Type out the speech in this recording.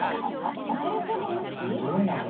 「ナレーションもなし？」